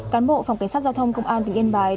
cán bộ phòng cảnh sát giao thông công an tỉnh yên bái